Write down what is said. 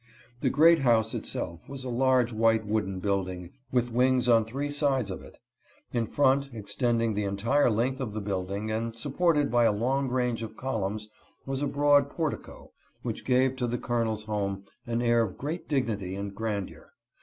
The great house itself was a large white wooden building with wings on three sides of it. In front, extending the entire length of the building and supported by a long range of columns, was a broad portico, which gave to the Colonel's home an air of great dignity and grandeur.